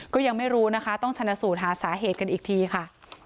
ก็ยังไม่รู้นะคะต้องชนะสูตรหาสาเหตุกันอีกทีค่ะ